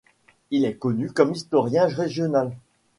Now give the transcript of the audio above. Il est connu comme historien régional.